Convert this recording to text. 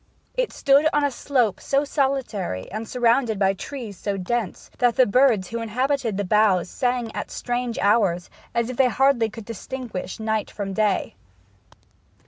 It stood on a slope so solitary, and surrounded by trees so dense, that the birds who inhabited the boughs sang at strange hours, as if they hardly could distinguish night from day.